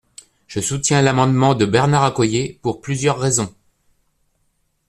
Je soutiens l’amendement de Bernard Accoyer, pour plusieurs raisons.